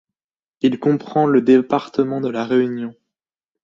Il comprend le département de La Réunion.